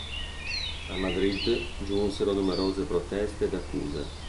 A Madrid giunsero numerose proteste ed accuse.